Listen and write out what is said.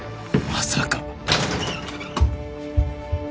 まさか！